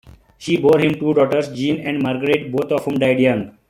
She bore him two daughters, Jeanne and Marguerite, both of whom died young.